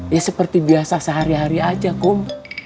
ya seperti biasa sehari hari aja kom